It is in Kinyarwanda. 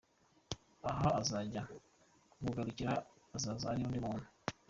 Aho azajya kukugarukira, azaza ari undi muntu.